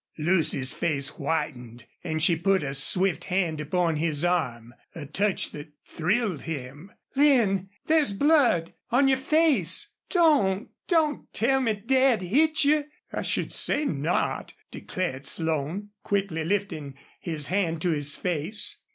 Lucy's face whitened and she put a swift hand upon his arm a touch that thrilled him. "Lin! there's blood on your face. Don't don't tell me Dad hit you?" "I should say not," declared Slone, quickly lifting his hand to his face.